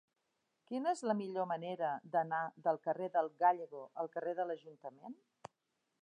Quina és la millor manera d'anar del carrer del Gállego al carrer de l'Ajuntament?